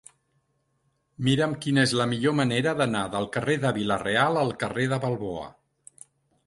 Mira'm quina és la millor manera d'anar del carrer de Vila-real al carrer de Balboa.